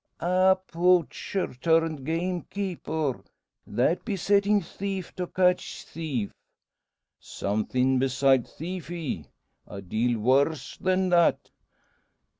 "Ah! poacher turned gamekeeper! That be settin' thief to catch thief!" "Somethin' besides thief, he! A deal worse than that!"